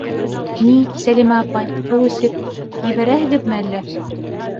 Ни, Сәлимә апай, һыу эсеп ебәрәһегеҙме әллә?!